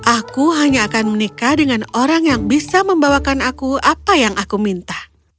aku hanya akan menikah dengan orang yang bisa membawakan aku apa yang aku minta